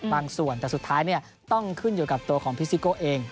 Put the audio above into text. บางส่วนแต่สุดท้ายต้องขึ้นอยู่กับตัวของพิซิโก้เอง